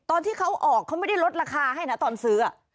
ตอนที่เขาออกเขาไม่ได้ลดราคาให้นะตอนซื้อ